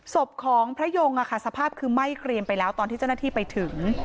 ศพของพระยงสภาพคือไหม้เกรียมไปแล้วตอนที่เจ้าหน้าที่ไปถึง